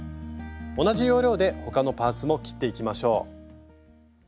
同じ要領で他のパーツも切っていきましょう。